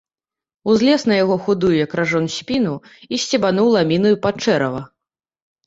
Узлез на яго худую, як ражон, спіну і сцебануў ламінаю пад чэрава.